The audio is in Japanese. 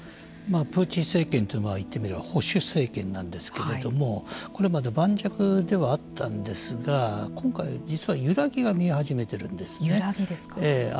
プーチン政権というのは言ってみれば保守政権なんですけれどもこれまで盤石ではあったんですが今回、実は揺らぎが揺らぎですか。